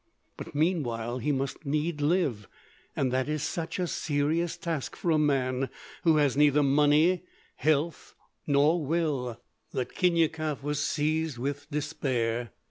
But meanwhile he must need live, and that is such a serious task for a man who has neither money, health, nor will, that Khinyakov was seized with despair.